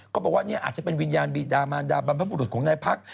ก็บอกว่าเนี่ยอาจจะเป็นวิญญาณบิดามานดามพระบุรุษของนายพรรค